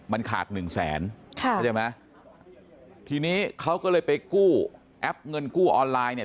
มันขาดหนึ่งแสนที่นี่เขาก็เลยไปกู้แอปเงินกู้ออนไลน์เนี่ย